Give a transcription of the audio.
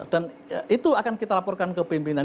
dan itu akan kita laporkan ke pimpinan